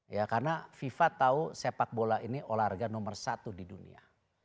ya karena fifa tahu sepak bola ini olahraga nomor satu di dunia